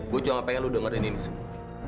gue cuma pengen lu dengerin ini semua